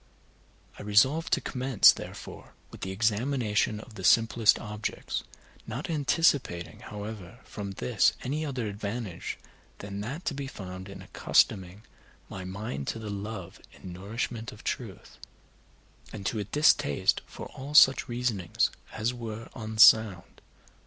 I resolved to commence, therefore, with the examination of the simplest objects, not anticipating, however, from this any other advantage than that to be found in accustoming my mind to the love and nourishment of truth, and to a distaste for all such reasonings as were unsound.